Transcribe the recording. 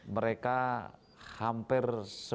mereka hampir sembilan puluh